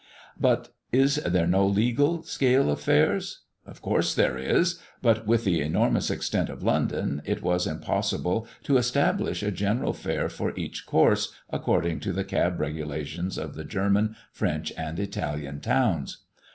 But is there no legal scale of fares? Of course there is, but with the enormous extent of London it was impossible to establish a general fare for each "course" according to the cab regulations of the German, French, and Italian towns.